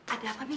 ada apa mi